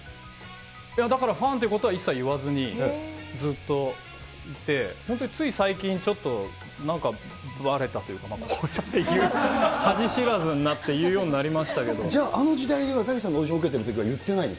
いや、だからファンってことは一切言わずにずっといて、本当につい最近、ちょっと、なんか、ばれたというか、恥知らずになって、言うようになりましじゃあ、あの時代には、たけしさんのオーディション受けているときには言ってないんです